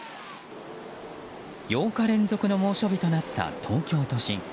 ８日連続の猛暑日となった東京都心。